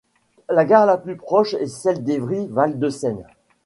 La gare la plus proche est celle d'Evry Val-de-Seine.